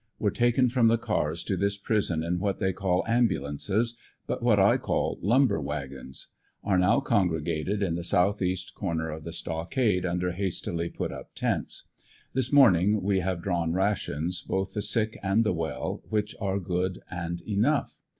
Were taken from the cars to this prison in what they call ambulances, but what I call lumber wagons. Are now congregated in the south east corner of the stockade under hastily put up tents. This morning we have drawn rations, both the sick and the well, which are i^ood and enough.